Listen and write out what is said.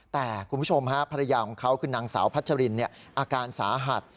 แต่คุณผู้ชมฮะภรรยาของเขาคือนางสาวพัชรินอาการสาหัส